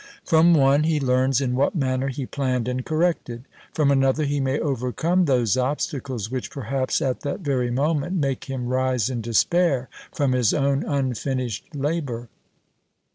From one he learns in what manner he planned and corrected; from another he may overcome those obstacles which, perhaps, at that very moment make him rise in despair from his own unfinished labour.